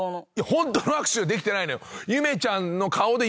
ホントの握手できてないのよ！